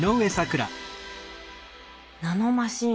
ナノマシン。